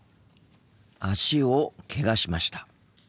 脚をけがしました。